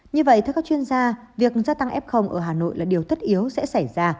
như vậy theo các chuyên gia việc gia tăng f ở hà nội là điều tất yếu sẽ xảy ra